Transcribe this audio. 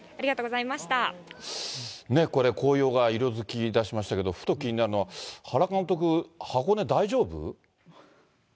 これ、紅葉が色づきだしましたけど、ふと、気になるのは、原監督、箱根大丈夫？